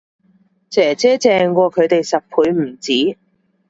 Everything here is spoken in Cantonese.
姐姐正過佢哋十倍唔止